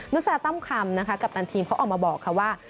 นุษยาต้อมคำกับกัปตันทีมเขาออกมาบอกว่า